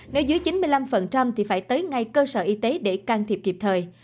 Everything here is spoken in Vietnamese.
nếu dưới chín mươi năm thì phải tới ngay cơ sở y tế để can thiệp kịp thời